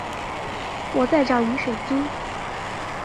我在找饮水机